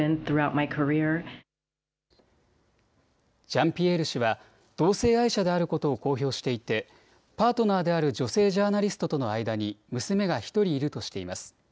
ジャンピエール氏は同性愛者であることを公表していてパートナーである女性ジャーナリストとの間に娘が１人いるとしています。